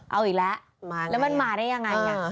เอาอีกแล้วแล้วมันมาได้ยังไง